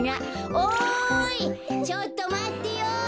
おいちょっとまってよ。